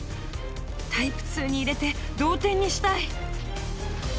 タイプ２に入れて同点にしたい。